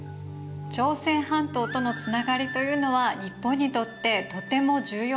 朝鮮半島とのつながりというのは日本にとってとても重要だったんですね。